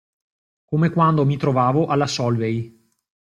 Come quando mi trovavo alla Solvay.